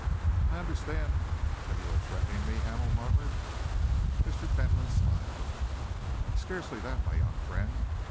"I understand that you are threatening me?" Hamel murmured. Mr. Fentolin smiled. "Scarcely that, my young friend.